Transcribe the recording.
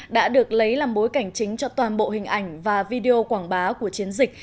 đã được lấy làm bối cảnh chính cho toàn bộ hình ảnh và video quảng bá của chiến dịch